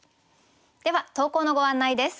では投稿のご案内です。